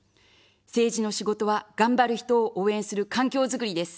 政治の仕事は、頑張る人を応援する環境づくりです。